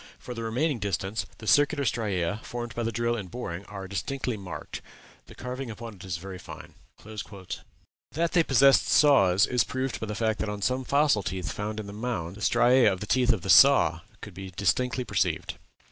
For the remaining distance the circular striæ, formed by the drill in boring, are distinctly marked. The carving upon it is very fine." That they possessed saws is proved by the fact that on some fossil teeth found in one of the mounds the striæ of the teeth of the saw could be distinctly perceived.